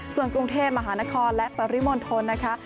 ส่วนกรุงเทพมหานครและปริมณฑลนะคะ